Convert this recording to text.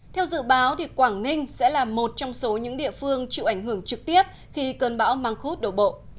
theo dự báo quảng ninh sẽ là một trong số những địa phương chịu ảnh hưởng trực tiếp khi cơn bão măng khuốt đổ bộ